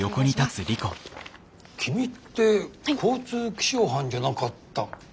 君って交通気象班じゃなかったっけ？